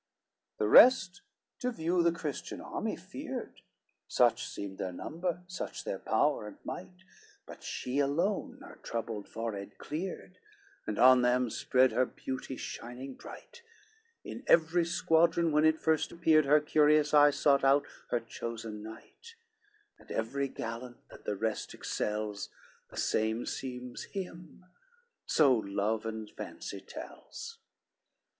LXI The rest to view the Christian army feared, Such seemed their number, such their power and might, But she alone her troubled forehead cleared, And on them spread her beauty shining bright; In every squadron when it first appeared, Her curious eye sought out her chosen knight; And every gallant that the rest excels, The same seems him, so love and fancy tells.